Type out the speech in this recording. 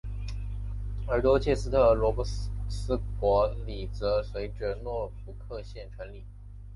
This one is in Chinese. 而多切斯特和罗克斯伯里则随着诺福克县成立。